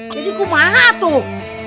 jadi kemana atuh